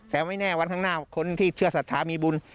แต่ไม่แน่วันข้างหน้าคนที่เชื่อศรัทธามีบุญ